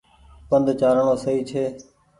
پند چآلڻو سئي ڇي۔